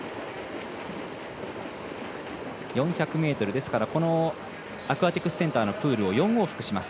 ４００ｍですからアクアティクスセンターのプールを４往復します。